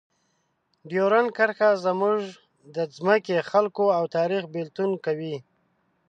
ډیورنډ کرښه زموږ د ځمکې، خلکو او تاریخ بېلتون کوي.